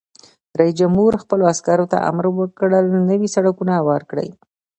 رئیس جمهور خپلو عسکرو ته امر وکړ؛ نوي سړکونه هوار کړئ!